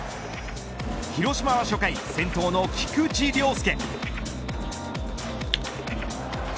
広島は初回、先頭の菊池涼介。